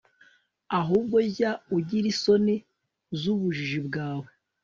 ahubwo jya ugira isoni z'ubujiji bwawe